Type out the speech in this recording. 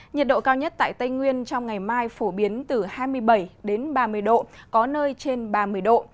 nhiệt độ cao nhất tại tây nguyên trong ngày mai phổ biến từ hai mươi bảy ba mươi độ có nơi trên ba mươi độ